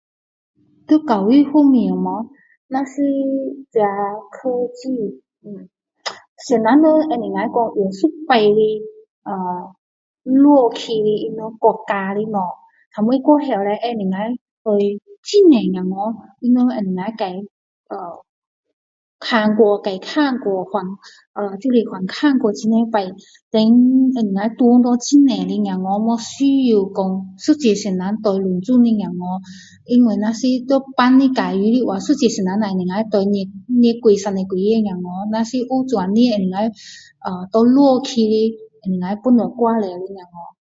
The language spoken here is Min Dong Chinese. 在教育方面莫如果那这科技老师呢能够说用一次的呃录起他们国家的东西后来过后叻能够呃很多小孩你们看过再看过重就是重看过很多次then能够传给很多小孩不需要说一个老师对全部的小孩因为如果在班里教书的话一个老师只能够对二十多三十多个小孩如果有这样能够给够录起能够帮更多的孩子